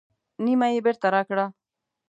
نیمه یې بېرته راکړه.